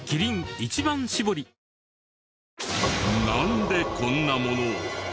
なんでこんなものを？